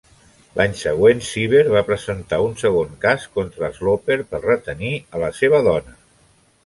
L'any següent Cibber va presentar un segon cas contra Sloper per "retenir" a la seva dona.